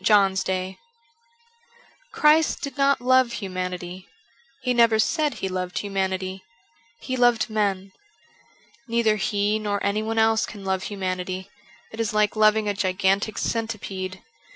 JOHN'S DAY CHRIST did not love humanity, He never said He loved humanity ; He loved men. Neither He nor anyone else can love humanity ; it is like loving a gigantic centipede.